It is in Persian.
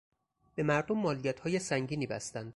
به مردم مالیاتهای سنگینی بستند.